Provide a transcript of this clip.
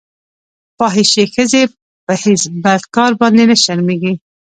فاحشې ښځې په هېڅ بد کار باندې نه شرمېږي.